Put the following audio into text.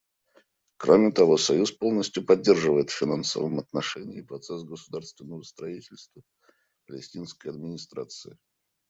Кроме того, Союз полностью поддерживает в финансовом отношении процесс государственного строительства Палестинской администрации.